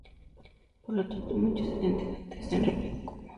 Por lo tanto, muchas identidades se han revelado como "A".